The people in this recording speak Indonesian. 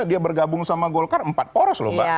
dia bergabung sama golkar empat poros loh mbak